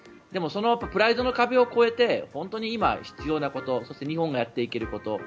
でもそのプライドの壁を越えて本当に今必要なことそして日本がやっていけること。